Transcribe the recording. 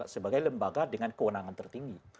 sebagai lembaga dengan kewenangan tertinggi